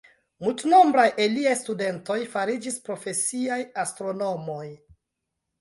Multenombraj el liaj studentoj fariĝis profesiaj astronomoj.